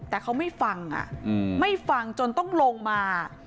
แต่เขาไม่ฟังไม่ฟังจนต้องลงมา